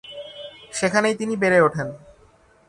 সেখানেই তিনি বেড়ে ওঠেন।